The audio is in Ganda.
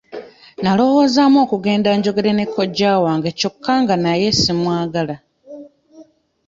Nalowoozaamu okugenda njogere ne kojja wange kyokka nga naye simwagala.